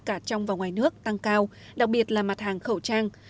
cả trong và ngoài nước tăng cao đặc biệt là mặt hàng khẩu trang